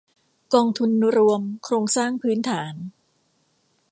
กองทุนรวมโครงสร้างพื้นฐาน